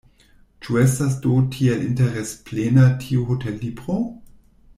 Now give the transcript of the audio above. Ĉu estas do tiel interesplena tiu hotellibro?